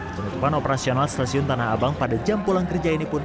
penutupan operasional stasiun tanah abang pada jam pulang kerja ini pun